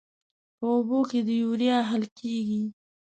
په اوبو کې د یوریا حل کیږي.